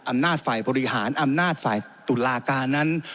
อำนาจฝ่ายบริหารฝ่ายตุลาคานั้น